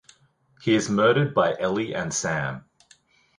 He is murdered by Ellie and Sam.